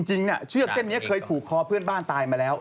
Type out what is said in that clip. จริงเชือกเส้นนี้เคยผูกคอเพื่อนบ้านตายมาแล้ว